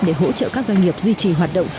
để hỗ trợ các doanh nghiệp duy trì hoạt động